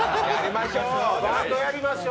バンドやりましょう。